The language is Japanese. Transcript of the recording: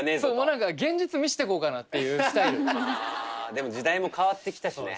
でも時代も変わってきたしね。